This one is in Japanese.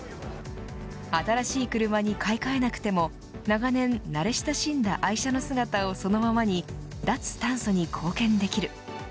新しい車に買い替えなくても長年、慣れ親しんだ愛車の姿をそのままに脱炭素に貢献できる。